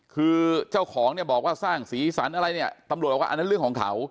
คือเจ้าของบอกว่าสร้างศรีสรรค์อะไรตำรวจบอกว่าอันนั้นเรื่องของเขา